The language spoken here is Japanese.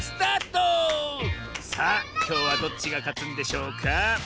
さあきょうはどっちがかつんでしょうか？